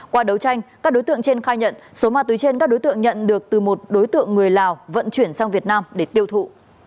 qua đấu tranh các đối tượng trên khai nhận số ma túy trên các đối tượng nhận được từ một đối tượng người lào vận chuyển sang việt nam để tiêu thụ